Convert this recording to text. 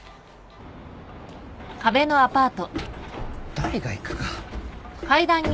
誰が行くか。